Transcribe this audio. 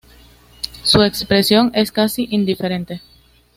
Su expresión es casi indiferente.